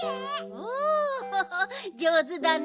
おじょうずだね。